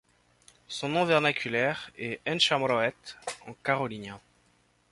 Son nom vernaculaire est ' en chamorro et ' en carolinien.